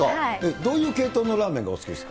どういう系統のラーメンがお好きですか？